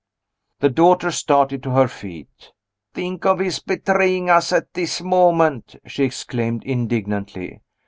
The daughter started to her feet. "Think of his betraying us at this moment!" she exclaimed indignantly.